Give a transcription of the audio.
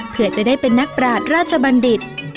เพื่อจะได้เป็นนักปราศราชบัณฑิต